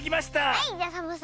はいじゃサボさん。